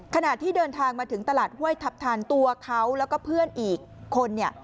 ขณะที่เดินทางมาถึงตลาดห้วยทัพทันตัวเขาแล้วก็เพื่อนอีกคนเนี่ย